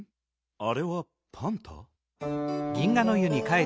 あれはパンタ？